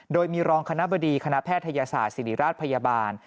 โดยมีรองคณะบดีคณะแพทยศาสตร์ศิริราชพยาบาล